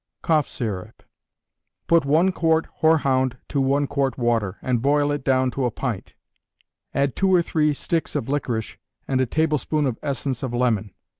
Cough Syrup. Put one quart hoarhound to one quart water, and boil it down to a pint; add two or three sticks of licorice and a tablespoonful of essence of lemon.